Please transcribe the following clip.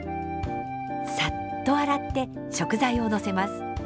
さっと洗って食材を乗せます。